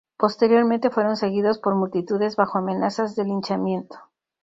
Posteriormente fueron seguidos por multitudes bajo amenazas de linchamiento.